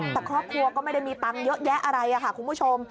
แต่ครอบครัวก็ไม่ได้มีตังค์เยอะแยะอะไรค่ะคุณผู้ชม